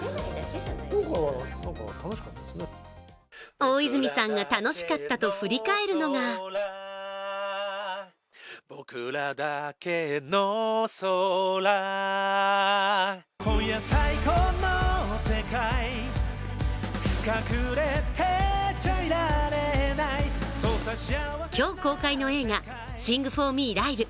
大泉さんが楽しかったと振り返るのが今日公開の映画「シング・フォー・ミー、ライル」。